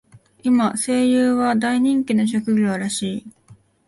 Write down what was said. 今、声優は大人気の職業らしい。